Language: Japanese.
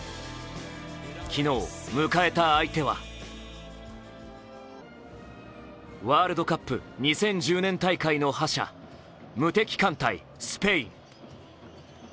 昨日、迎えた相手はワールドカップ２０１０年大会の覇者、無敵艦隊スペイン。